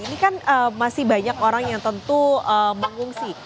ini kan masih banyak orang yang tentu mengungsi